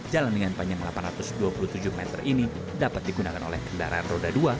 jalan dengan panjang delapan ratus dua puluh tujuh meter ini dapat digunakan oleh kendaraan roda dua